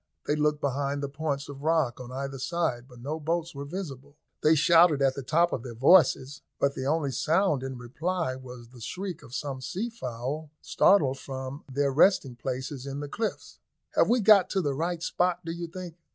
They looked behind the points of rock on either side, but no boats were visible. They shouted at the top of their voices, but the only sound in reply was the shriek of some sea fowl, startled from their resting places in the cliffs. "Have we got to the right spot, do you think?"